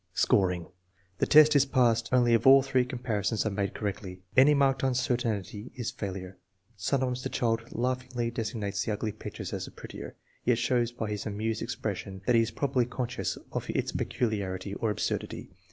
Scoring. The test is passed only if all three comparisons are made correctly. Any marked uncertainty is failure. Sometimes the child laughingly designates the ugly picture as the prettier, yet shows by his amused expression that he is probably conscious of its peculiarity or absurdity.